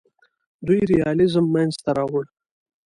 دوی ریالیزم منځ ته راوړ.